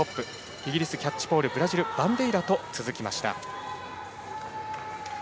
イギリスのキャッチポールブラジルのバンデイラと続きました。